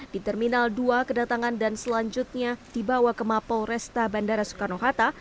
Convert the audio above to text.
di terminal dua kedatangan dan selanjutnya dibawa ke mapol resta bandara soekarno hatta